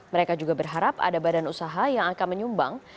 mereka juga berharap ada badan usaha yang akan menyumbang